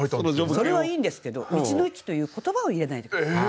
それはいいんですけど「道の駅」という言葉を入れないで下さい。